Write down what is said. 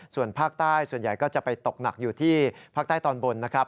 ส่วนภาคใต้ส่วนใหญ่ก็จะไปตกหนักอยู่ที่ภาคใต้ตอนบนนะครับ